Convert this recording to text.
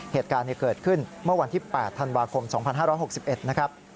เหตุการณ์เกิดขึ้นเมื่อวันที่๘ธันวาคม๒๕๖๑นะครับ